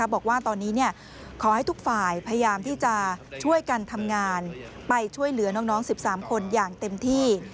บอกว่าตอนนี้ขอให้ทุกฝ่ายพยายามที่จะช่วยกันทำงานไปช่วยเหลือน้อง๑๓คนอย่างเต็มที่